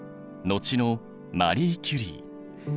のちのマリー・キュリー。